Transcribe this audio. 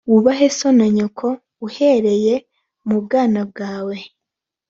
wubahe so na nyoko uhereye mu bwana bwawe